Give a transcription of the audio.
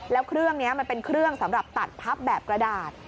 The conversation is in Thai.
แล้วเครื่องนี้มันเป็นเครื่องสำหรับตัดพับแบบกระดาษ